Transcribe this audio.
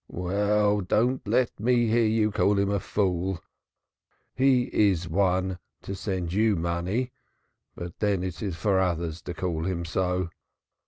"Well, don't let me hear you call him a fool. He is one to send you money, but then it is for others to call him so.